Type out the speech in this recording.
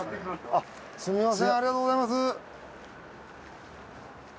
すみませんありがとうございます。